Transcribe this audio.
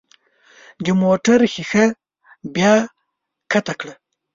د موټر ښيښه بیا ښکته کړه.